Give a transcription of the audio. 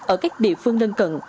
ở các địa phương lân cận